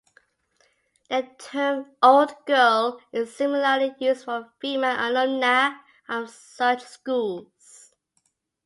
The term "Old Girl" is similarly used for a female alumna of such schools.